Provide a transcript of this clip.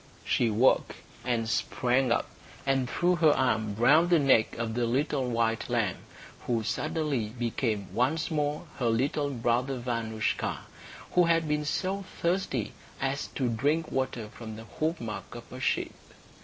She woke, and sprang up, and threw her arms round the neck of the little white lamb, who suddenly became once more her little brother Vanoushka, who had been so thirsty as to drink water from the hoofmark of a sheep.